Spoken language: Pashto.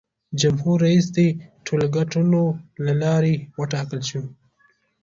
جمهور رئیس دې د ټولټاکنو له لارې وټاکل شي.